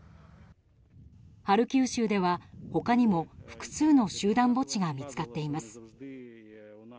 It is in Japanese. ハルキウ州では他にも複数の集団墓地が見つかっています。